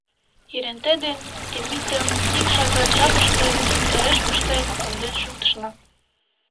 Еренте ден Темитым ик шагат жапыште, тереш пыштен, конден шуктышна.